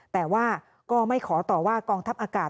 แต่ว่าก็ไม่ขอต่อว่ากองทัพอากาศ